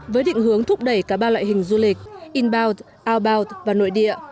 với định hướng thúc đẩy cả ba loại hình du lịch inbound aubounce và nội địa